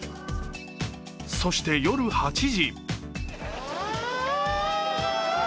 そして夜８時。